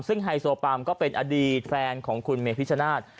ซึ่งไฮโซปามก็เป็นอดีตแฟนของคุณเมพิชชนาธิ์